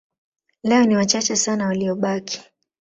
Leo ni wachache sana waliobaki.